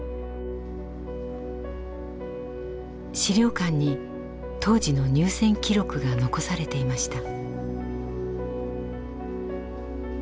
資料館に当時の入船記録が残されていました。